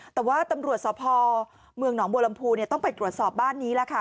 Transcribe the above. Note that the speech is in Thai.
แต่ว่าตำรวจสพเมืองหนองบัวลำพูต้องไปตรวจสอบบ้านนี้แหละค่ะ